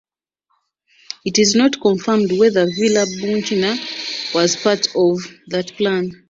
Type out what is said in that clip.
It is not confirmed whether Villa Bouchina was part of that plan.